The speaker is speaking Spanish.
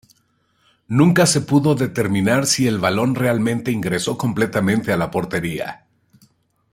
Nunca se pudo determinar si el balón realmente ingresó completamente a la portería.